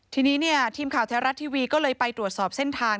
ทีนี้เนี่ยทีมข่าวแท้รัฐทีวีก็เลยไปตรวจสอบเส้นทาง